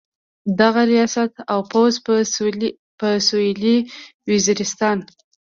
دغه ریاست او فوځ په سویلي وزیرستان.